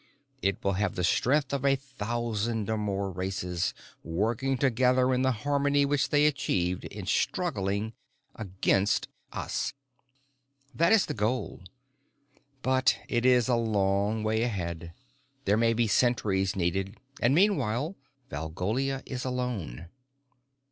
It will have the strength of a thousand or more races, working together in the harmony which they achieved in struggling against us. That is the goal, but it is a long way ahead; there may be centuries needed, and meanwhile Valgolia is alone.